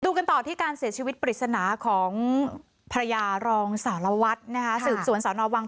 ดูกันต่อที่การเสพชีวิตปริษณาของพระยารองสารวัฒน์ส่วนสานวงวัง